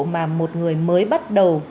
mà một người mới bắt đầu